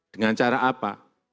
dengan cara apa